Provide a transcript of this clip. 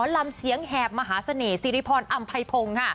ลำเสียงแหบมหาเสน่ห์สิริพรอัมไพพงค์